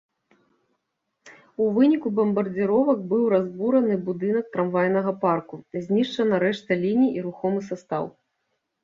У выніку бамбардзіровак быў разбураны будынак трамвайнага парку, знішчана рэшта ліній і рухомы састаў.